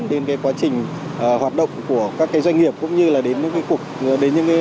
đến quá trình hoạt động của các doanh nghiệp cũng như đến những ảnh hưởng đến sinh hoạt đời sống hàng ngày